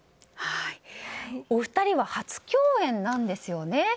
お二人は初共演なんですよね。